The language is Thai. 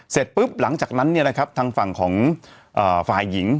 เสร็จปุ๊บหลังจากนั้นทางฝั่งของฝ่ายหญิง